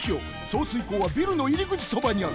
送水口はビルのいりぐちそばにある。